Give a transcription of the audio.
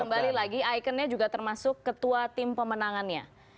kembali lagi ikonnya juga termasuk ketua tim pemenangannya